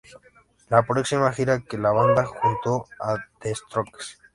La próxima gira que la banda junto a The Strokes.